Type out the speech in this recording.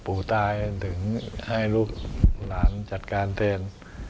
ผู้ตายถึงให้ลูกหลานจัดการแทน